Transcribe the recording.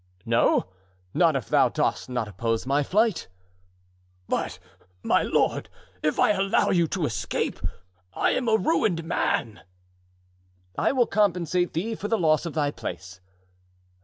"No; not if thou dost not oppose my flight." "But, my lord, if I allow you to escape I am a ruined man." "I will compensate thee for the loss of thy place."